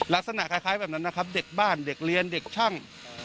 ลักษณะคล้ายแบบนั้นนะครับเด็กบ้านเด็กเรียนเด็กช่าง